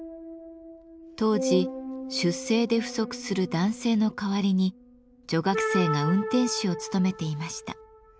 当時出征で不足する男性の代わりに女学生が運転士を務めていました。